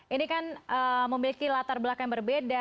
ini kan memiliki latar belakang yang berbeda